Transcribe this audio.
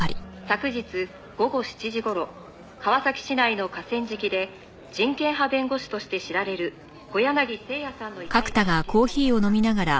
「昨日午後７時頃川崎市内の河川敷で人権派弁護士として知られる小柳征矢さんの遺体が発見されました」